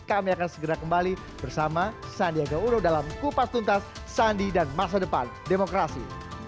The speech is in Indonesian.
kami akan segera kembali bersama sandiaga uno dalam kupas tuntas sandi dan masa depan demokrasi